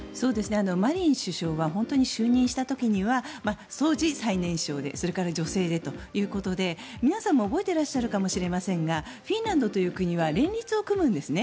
マリン首相は本当に就任した時には当時、最年少でそして女性でということで皆さんも覚えてらっしゃるかもしれませんがフィンランドという国は連立を組むんですね。